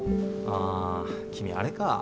あ君あれか。